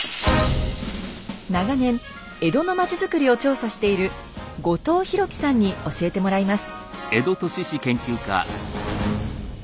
長年江戸の町づくりを調査している後藤宏樹さんに教えてもらいます。